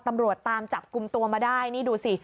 ตำรวจตามจับกลุ่มตัวมาได้นี่ดูสิ